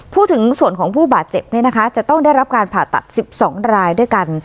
พูดถึงส่วนของผู้บาดเจ็บเนี่ยนะคะจะต้องได้รับการผ่าตัด๑๒รายด้วยกัน